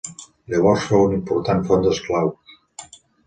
Llavors fou una important font d'esclaus.